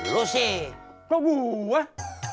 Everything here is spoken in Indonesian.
lu sih kau buah